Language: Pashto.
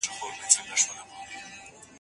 په تشو میټینګونو کي له عقیدې او ملت سره جفا وشوه.